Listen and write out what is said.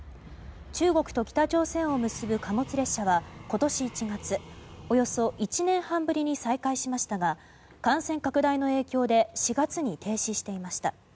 中国と北朝鮮を結ぶ貨物列車は今年１月およそ１年半ぶりに再開しましたが感染拡大の影響で４月に停止していました。